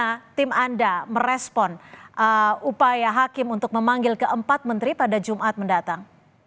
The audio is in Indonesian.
bagaimana tim anda merespon upaya hakim untuk memanggil keempat menteri pada jumat mendatang